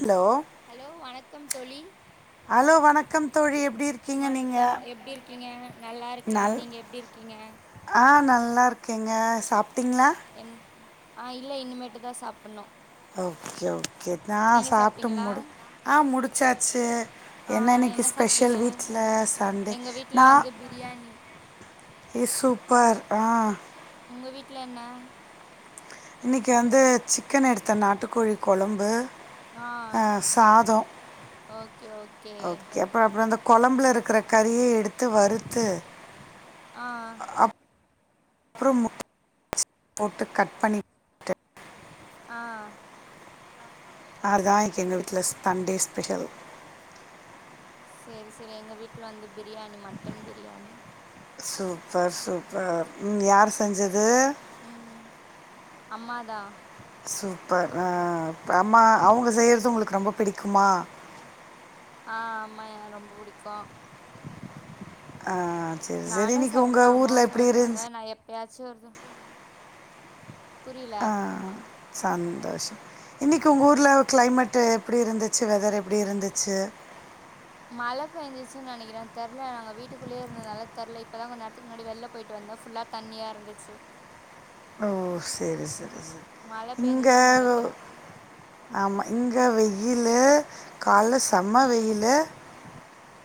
Hello hello வணக்கம் தோழி hello வணக்கம் தோழி எப்படி இருக் வணக்கம் எப்படி இருக்கீங்க நல்லா இருக்கேன் நல் நீங்க எப்டி இருக்கீங்க ஆ நல்லா இருக்கேங்க சாப்ட்டிங்ளா என் ஆ இல்ல இனிமேட்டுதான் சாப்டணும் ஓகே ஓகே நான் சாப்ட்டு சாப்ட்டீங்களா முடு ஆம் முடிச்சாச்சு ஆ என்ன இன்னைக்கு ஸ்பெஷல் சாப்ட்டீங்க வீட்ல சண்டே எங்க வீட்ல நான் வந்து பிரியாணி ஹே சூப்பர் ஆம் உங்க வீட்ல என்ன இன்னைக்கி வந்து சிக்கன் எடுத்த நாட்டுக்கோழி கொழம்பு ஆ அ சாதோ ஓகே அப்புற அப்புற அந்த கொழம்புல இருக்கிற கறிய்ய எடுத்து வறுத்து ஆ அப்புறோம் முட் [inaudible] போட்டு கட் பண்ணி ட்டு ஆ ஆறுதா இன்னைக் எங்க வீட்ல தண்டே ஸ்பெஷல் சேரி சேரி எங்க வீட்ல வந்து biryani mutton biryani super super ம் யாரு செஞ்சது ம் அம்மாதா சூப்பர் ஆ ப அம்மா அவ்ங்க செய்யறது உங்களுக்கு ரொம்ப பிடிக்குமா ஆம எ ரொம்ப புடிக்கு ஆ சரி சரி நானு இன்னைக்கு சமைப்பே உங்கள் அம்மாவு ஊரில் எப்படி இருந்துச்சு சமைப்பாங்க நா எப்பயாச்சு ஒரு த ஆ சந்தோஷம் இன்னைக்கு உங்க ஊருல கிளைமேட்டு் எப்படி இருந்துச்சு வெதரு எப்டி இருந்துச்சு மழ பெஞ்ச்சுன் நெனைக்கிறே தெர்ல நாங்க வீட்டுக்குள்ளயே இருந்தனால தெர்ல இப்பதா கொஞ்ச நேரத்துக்கு முன்னாடி வெள்ல போயிட்டு வந்தோ ஃபுல்லா தண்ணியா இருந்துச்சு ஓ சேரி சேரி சேரி மழ இங்க பெஞ்சிச்சுன்னு நெனைக்கிறே ஆமா இங்க வெயில்லு கால்ல செம்ம ம் வெய்யிலு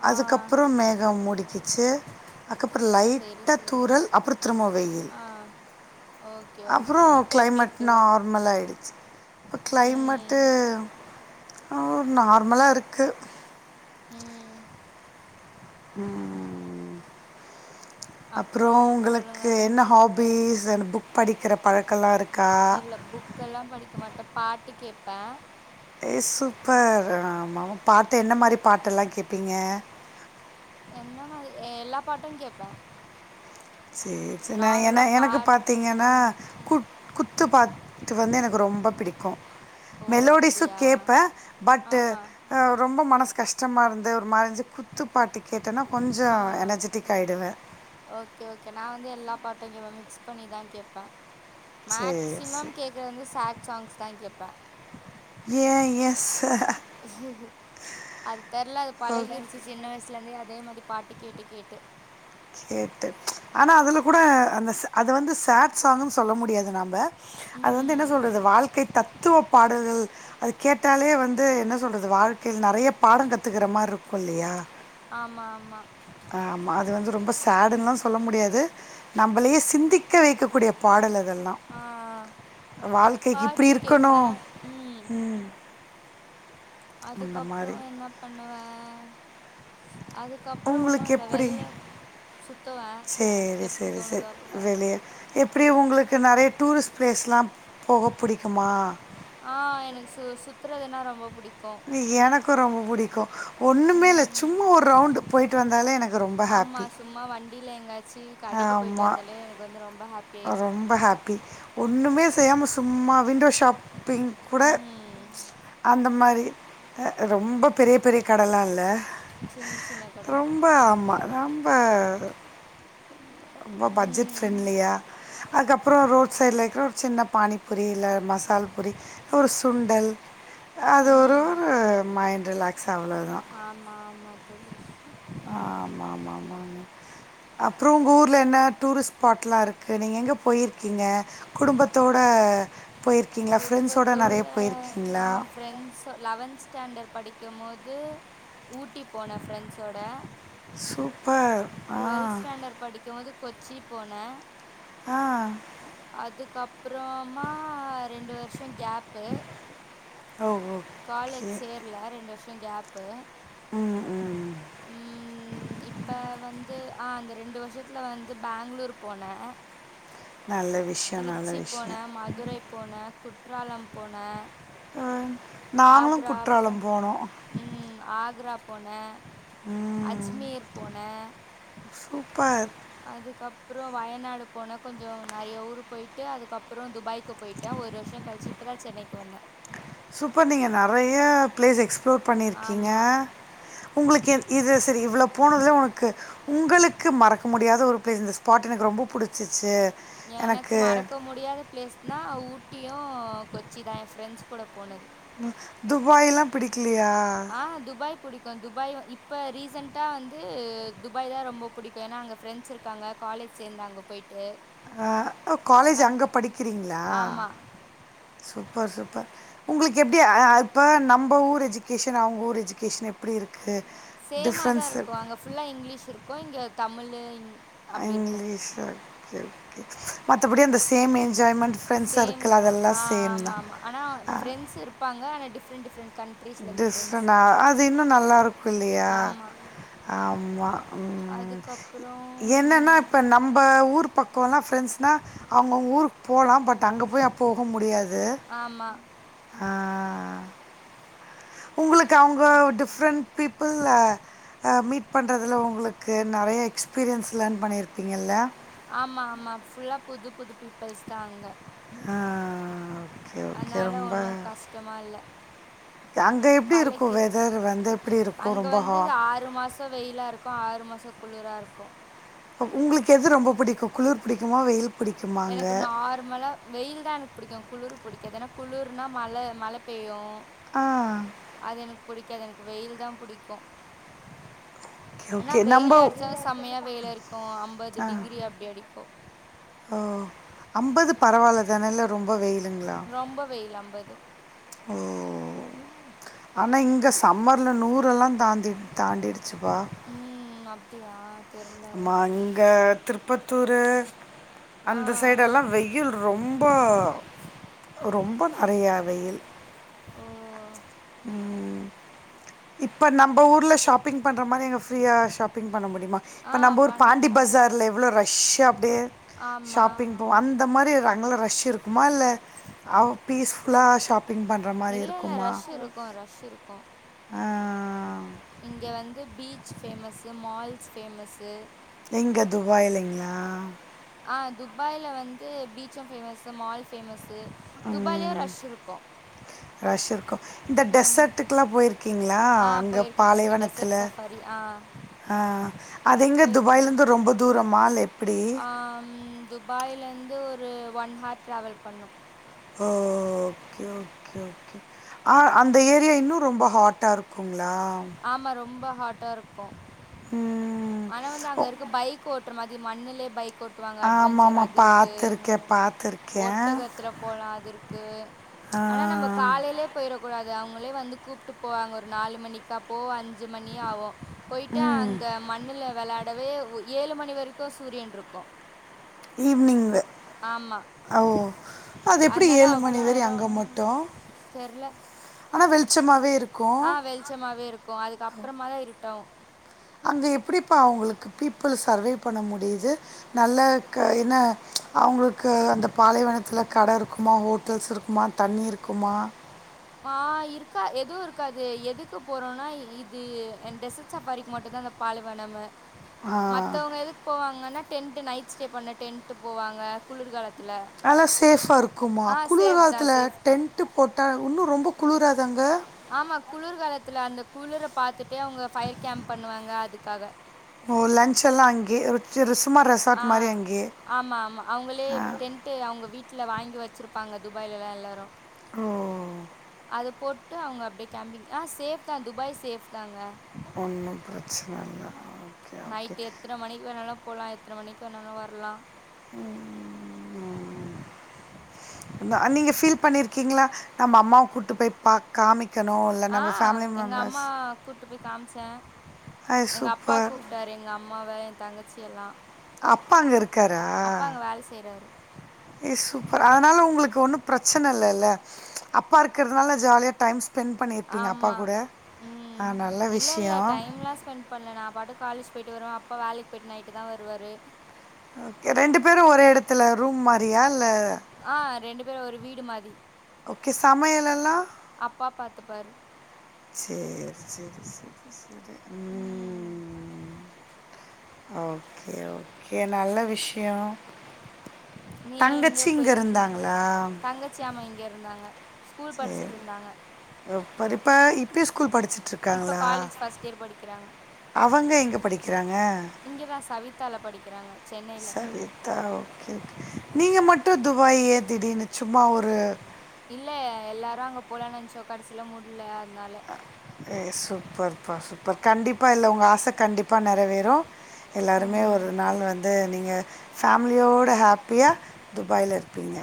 ஆ அதுக்கப்புறம் மேகம் முடிக்கிச்சு அதுக்கப்புற சேரி லைட்டா சேரி தூறல் அப்புற திரும்ம வெயில் ஆ ஓகே ஓகே அப்புறோ இப்ப எப்டி கிளைமேட் இருக்கு நார்மல ஆயிடுச்சு இப்ப ம் கிளைமெட்டு் நார்மலா இருக்கு ம் ம் அப்புறோ அப்றம் சொல்லுங்க உங்களுக்கு என்ன ஹாபிஸ் புக் படிக்கிற பழக்க எல்லா இருக் இல்ல புக்கெல்லா படிக்க மாட்டே பாட்டு கேப்பே ஏ சூப்பர் ஆமா பாட்டு என்ன மாரி பாட்டெல்லா கேப்பீங்க என்ன மாரி எல்லா பாட்டு கேப்பே சேர் சேர் நா என நார்மலா எனக்கு பாட் ஆ பாத்தீங்கன்னா குத் குத்து பாத் டு வந்து எனக்கு ரொம்ப பிடிக்கு ஓ மெலோடிஸு அப்டியா கேட்பே பட்டு ஆ அ ரொம்ப மனது கஷ்டமா இருந்து ஒரு மாரஞ்சு குத் குத்துப்பாட்டு கேட்டேன்னா கொஞ்சோ ஆ எனர்ஜட்டிக் ஆயிடுவே ஓகே ஓகே நா வந்து எல்லா பாட்டையு மிக்ஸ் பண்ணிதா கேப்பே சரி மேக்ஸிமம் சரி கேக்குறது வந்து சேட் சாங்ஸ்தா கேப்பே ஏ ஏ ச அது தெர்ல அது பழகிருச்சு சின்ன வயசுலேருந்தே அதே மாதிரி பாட்டு கேட்டு கேட்டு கேட்டு ஆனா அதுல கூட அந்த ச அது வந்து சேட் சாங்க்ன்னு சொல்ல முடியாதுங்க நம்ப அது வந்து என்ன ம் சொல்றது வாழ்க்கை தத்துவ பாடல்கள் அது கேட்டாலே வந்து என்ன சொல்றது வாழ்க்கையில் நறைய பாடங் கத்துக்கற மார்ருக்கு இல்லையா ஆமா ஆமா ஆமா அது வந்து ரொம்ப சேடுன்லா சொல்ல முடியாது நம்மளையே சிந்திக்க வைக்கக்கூடிய பாடல் அதெல்லா ஆ வாழ்க்கைக்கு இப்டி பாட்டு இருக்கணு கேப்பே ம் அதுக்கப்றோ மாரி. என்ன பண்ணுவே அது அதுக்கப்றோ ஒன்னு உங்களுக்கு இல்ல எப்டி? வெளில சுத்துவே சரி, எப்போ சரி, சரி. தோணுதோ அப்ப வெளிய எப்டி உங்களுக்கு நறையா டூரிஸ்ட் ப்ளேஸ்லா போக புடிக்குமா ஆ எனக்கு சு சுத்துறதுன்னா ரொம்ப புடிக்கு எனக்கு ரொம்ப பிடிக்கும் ஒன்னுமே இல்ல ம் சும்மா ஒரு ரவுண்டு போய்ட்டு வந்தாலே எனக்கு ரொம்ப ஆமா, ஹேப்பி சும்மா வண்டியில எங்காச்சு கடைக்கு போயிட்டு வந்தாலே எனக்கு வந்து ரொம்ப ஹேப்பியா ஆயிடு ரொம்ப ஹாப்பி. ஒண்ணுமே செய்யாம சும்மா விண்டோ ஷாப் இப்பயு கூட ம். அந்த மாதிரி ரொம்ப பெரிய பெரிய கடலா இல்ல சின்ன சின்ன கட. ரொம்ப ஆமா ரொம்ப ரொம்போ பட்ஜெட் ம். ஃப்ரெண்ட்லியா அதுக்கப்றோ ரோட் சைட்ல இருக்கிற ஒரு சின்ன பானிபூரி இல்ல மசால் பூரி ஒரு சுண்டல் அது ஒரு ம். மைண்ட் ரிலாக்ஸ் அவ்ளோதா ஆமா ஆமா தோழி ஆமா ஆமா ஆமா ஆமா அப்றோ உங்க ஊர்ல் என்ன டூரிஸ்ட் ஸ்பாட்டெலா இருக்கு நீங்க எங்க போயிருக்கீங்க குடும்பத்தோட போயிருக்கீங்களா ஃப்ரெண்ட்ஸோட நறைய குடும்பத்தோட ஆ போயிருக்கீங்களா ஃப்ரெண்ட்ஸ் லெவன்த் ஸ்டாண்டர்ட் படிக்கம் போது ஊட்டி போனே ஃப்ரெண்ட்ஸோட சூப்பர் டுவெல்த் ஆ ஸ்டாண்டர்ட் படிக்கம் போது கொச்சி போன ஆ அதுக்கப்புறமா ரெண்டு வருஷோ கேப்பு ஓ ஓகே காலேஜ் சேர்ல ரெண்டு வருஷோ கேப்பு ம் ம் ம் இப்ப வந்து ஆ அந்த ரெண்டு வருஷத்துல வந்து பேங்ளூர் போனே நல்லது திருச்சி போன மதுரை போன குற்றாலம் போன அ நாங்களு குற்றாலம் போனேன். போனோ ம் ஆக்ரா போனே அஜ்மீர் போனே சூப்பர் அதுக்கப்றோ வயநாடு போன கொஞ்சோ நறைய ஊர் போயிட்டு அதுக்கப்றோ துபாய்க் கு போயிட்டே ஒரு வருஷோ கழிச்சு இப்பதா சென்னைக்கு வந்தே சூப்பர் நீங்க நறைய பிளேஸ் எக்ஸ்ப்ளோர் பண்ணியிருக்கீங்க ஆமா. உங்களுக்கு என் இது சரி இவ்ளவு போனதுல உனக்கு உங்களுக்கு மறக்க முடியாத ஒரு பிளேஸ் இந்த ஸ்பாட் எனக்கு ரொம்ப பிடிச்சிச்சு எனக்கு மறக்க முட் முடியாத பிளேஸ்னா ஊட்டியு கொச்சி தா என் ஃப்ரெண்ட்ஸ் கூட போனது துபாய்ல்லா பிடிக்லையா ஆ துபாய் புடிக்கு துபாய் இப்போ ரீசெண்டட்டா வந்து துபாய் தா ரொம்ப பிடிக்கு ஏன்னா அங்க ஃப்ரெண்ட்ஸ் இருக் இருக்காங்க காலேஜ் சேர்ந்தே அங்க போய்ட்டு அ ஓகாலேஜ் அங்க படிக்கிறீங்களா ஆமா சூப்பர் சூப்பர் உங்களுக்கு எப்டி ஆ இப்போ நம்ப ஊர் எஜுகேஷன் அவங்க ஊர் எஜுகேஷன் எப்பிடி இருக்கு சேமாதா டிஃப்ரென்ஸ் இருக்கு அங்க ஃபுல்லா இங்கிலீஷ் இருக்கு இங்க தமிழு இங் அ அப்டி இருக்கும் இங்கிலீஷு ஓகே ஓகே மத்தபடி அந்த same enjoyment friend same circle தான் அதெல்லா ஆ ஆமா சேம்தா ஆமா ஆனா ஃப்ரெண்ட்ஸ் இருப்பாங்க ஆனா டிஃப்ரெண்ட் டிஃப்ரெண்ட் கண்ட் டிஃப்ரெண்டா அது இன்னு நல்லா இருக்கு இல்லையா ஆமா ஆமா ம் அதுக்கப்புறம் என்னன்னா இப்ப நம்ப ஊர் பக் கோல்லா ஃப்ரெண்ட்ஸ்னா அவங்கவுங்க ஊருக்கு போலா பட் அங்க போய் ஆ போக முடியாது ஆமா ஆ உங்களுக்கு அவங்க டிஃப்ரெண்ட் பீப்புள் ஆ ஆ மீட் பண்றதுல உங்களுக்கு நெறைய எக்ஸ்பீரியன்ஸ் லேர்ன் பண்ணியிருப்பீங்கல்ல ஆமா ஆமா ஃபுல்லா புது புது பீப்பிள்ஸ்தா அங்க ஆ ஓகே ஓகே அதனால ரொம்ப ஒன்றும் கஷ்டமா இல்ல க அங்க எப்டி இருக்கு வெதர் வந்து எப்பிடி இருக்கு ரொம்ப ஹா ந்து இது ஆறு மாசோ வெயிலா இருக்கு ஆறு மாசோ குளுரா இருக்கு அ உங்களுக்கு எது ரொம்ப புடிக்கு குளுர் புடிக்குமா வெயில் பிடிக்குமாங்க எனக்கு நார்மலா வெயில்தா எனக்கு புடிக்கு குளுரு புடிக்காது ஏன்னா குளுர்னா மழ மழ பெய்யு ஆ அது எனக்கு புடிக்காது எனக்கு வெயில்தா புடிக்கு ஓகே ஆனா ஓகே வெயில் நம்ம அடிச்சாலு செம்மையா வெயிலா இருக்கு அம்பது ஆ டிகிரி அப்டி அடிக்கு ஓ அம்பது பரவால்லதான இல்ல் ரொம்ப வெயிலுங்களா ரொம்ப வெயிலு அம்பது ஓ ஆனா இங்க சம்மர்ல நூரெல்லா தாண்டி தாண்டிடுச்சுப்பா ம் அப்டியா ஆமா இங்க திருப்பத்தூரு ஆ அந்த சைடு எல்லா வெ யில் ரொம்போ ரொம்பொ நெறையா வெயில் ஓ இப்ப நம்ப ஊர்ல ஷாப்பிங் பண்ற மாரி அங்க ஃப்ரீயா ஷாப்பிங் பண்ண முடியுமா ஆ இப்ப நம்ப ஊர் பண்ணலாம் பாண்டி பண்ணலாம் பசார்ல எவ்ளோ ரஷ்ஷா அப்டியே ஆமாம் ஷாப்பிங் போவோ அந் த மாரி அங்கல்லா ரஷ்ஷு இருக்குமா இல்ல அவ் பீஸ்ஃபுல்லா ஷாப்பிங் பண் இல்ல இல்ல ரஷ் இருக்கு ரஷ் இருக்கு ஆ இங்க வந்து பீச் ஃபேமஸு மால்ஸ் ஃபேமஸ்ஸு எங்க துபாய்லிங்ளா ஆ துபாய்ல வந்து பீச்சு ஃபேமஸு மால்ஸ் ஃபேமஸு துபாயிலயு ம் ரஷ் இருக்கு ரஷ் இருக்கு இந்த டெஸ்ஸர்ட்டுக்கெல்லா போயிருக்கீங்களா அங்க பாலைவனத்துல பரி ஆ ஆ அது எங்க துபாய்ல இருந்து ரொம்ப தூரமா இல்ல எப் அம் துபாயிலேர்ந்து ஒரு ஒன் ஹார் ட்ராவல் பண்ணணு ஓ ஓகே ஓகே ஓகே ஆ அந்த ஏரியா இன்னு ரொம்ப ஹாட்டா இருக்குங்களா ஆமா ரொம்ப ஹாட்டா இருக்கு உ ஆனா வந்து அங்க இருக்கு பைக் ஓட்டுற மாதிரி மண்ணுலயே பைக் ஓட் விட்டுவாங்க ஆமாம் அட்வெஞ்சர் ஆமாம் அது இருக்கு பார்த்துருக்கேன் பார்த்துருக்கேன் ஓட்டகத்துல போலா அது இருக்கு ஆனா நம்ம காலைலே போயிர கூடாது அவங்களே வந்து கூப்ட்டு போவாங்க ஒரு நாலு மணிக்கு ஸப்போ அஞ்சு மணி ஆகு போயிட்டு அங்க மண்ணுல விளையாடவே ஏழு மணி வரைக்கு சூரியன் இருக்கு ஈவ்னிங்ல ஆமா ஓ அது எப்படி அதனால ஏழு மணி அவ்ளோ வரை நேரம் அங்க மட்டு தெர்ல. ஆனா வெளிச்சமாவே இருக் ஆ வெளிச்சமாவே இருக்கு அதுக்கு அப்புறமா தா இருட்டோ அங்க எப்படிப்பா அவங்களுக்கு பீப்புள் சர்வைவ் பண்ண முடியுது நல்ல க என்ன அவங்களுக்கு அந்த பாலைவனத்தில கடை இருக்குமா ஹோட்டல்ஸ் இருக்குமா தண்ணி இருக்குமா ஆ இருக்கா எதுவு இருக்காது எதுக்கு போறோம்னா இது என் டெஸர்ட் ஸஃபாரிக்கு மட்டும்தா அந்த பாலைலனமு ஆ, மத்தவங்க எதுக் போவாங்கன்னா டென்ட் நைட் ஸ்டே பண்ண டென்டு போவாங்க குளிர்காலத்தில நல்லா ஸேஃபா இருக்குமா குளிர் தான் காலத்தில சேஃப் தான். டென்ட் போட்டா இன்னு ரொம்ப குளிராதாங்க ஆமா குளிர் காலத்துல அந்த குளிர பாத்துுட்டே அவங்க ஃபயர் கேம்ப் பண்ணுவாங்க அதுக்காக ஓ லன்ச்ல்லா அங்கயே சும்மா ஆ ரெஸார்ட் மாரி அங்கயே ஆமா ஆமா அவங்களே டென்ட் அவங்க வீட்டுல வாங்கி வச்சிருப்பாங்க துபாய்லலா எல்லாரு ஓ அத போட்டு அவங்க அப்படியே கேம்பிங் ஆ ஸேஃப் தா துபாய் ஸேஃப் தாங்க ஒன்னு பிரச்சன இல்ல நைட் எத்தன மணிக்கு வேணாலு போலா எத்தன மணிக்கு வேணாலு வரலா உ த நீங்க ஃபீல் பண்ணிருக்கீங்களா நம்ம அம்மாவ கூட்டு போய் பாக் காமிக் ஆ எங்க அம்மா குட் ட்டு போய் காமிச்சே அது எங்க அப்பா சூப்பர். கூப்ட்டாரு எங்க அம்மாவ எ தங்கச்சியல்லா அப்பா அங்க இருக்காரா கால் செய்றாரு இ சூப்பர் அதனா உங்களுக்கு ஒன்னு பிரச்சன இல்லைல அப்பா இருக்கிறதுனால ஜாலியா டைம்ஸ் ஆமா உ ஆ நல்ல இல்ல இல்ல விஷயம். டைம்லா ஸ்பெண்ட் பண்ணல நா பாட்டு காலேஜ் போயிட்டு வருவே அப்பா வேலைக்கு போயிட் நைட்டு தா வருவாரு ஓகே ரெண்டு பேரு ஒரே எடத்துல ரூம் மாரியா இல்ல ஆ ரெண்டு பேரு ஒரு வீடு மாரி ஓகே சமயலெல்லா அப்பா பாத்துப்பாரு சேரி சேரி சேரி சேரி உ ம் ஓகே ஓகே நல்ல விஷயோ நீங்கள் தங்கச்சிங்க இருந்தாங்களா ச்சி ஆமா இங்க இருந்தாங்க ஸ்கூல் படிச்சிட்ருந்தாங்க ப்பருப்பா இப்பயே ஸ்கூல் படிச்ச இப்போ ட்ருக்காங்களா காலேஜ் ஃபஸ்ட் இயர் படிக்கிறாங்க அவங்க எங்க படிக்கிறாங்க இங்கே தா சவிதாவால படிக்கிறாங்க சென்னையில சவிதா ஓகே ஓகே நீங்க மட்டு துபாயே திடீனு சும்மா ஒரு இல்ல எல்லாரு அங்க போலாம்னு நெனைச்சோம் கடைசியில முடில அதனால ஏ சூப்பர்ப்பா சூப்பர் கண்டிப்பா இல்ல உங்க ஆச கண்டிப்பா நெறவேறு எல்லாருமே ம் ஒரு நாள் வந் து நீங்க ஃபேமிலியோடு ஹேப்பியா துபாயில இருப்பீங்க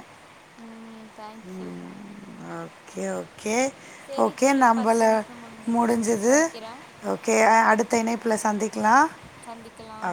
ம் தேங்க்யூ ஓகே ஓகே சரி ஓகே தோழி நம்பள பத்து நிமிஷம் முடிஞ்சிருச்சு முடிஞ்சது வைக்கிறேன் ஓகே அடுத்த இணைப்புல சந்திக்கலா சந்திக்கலாம்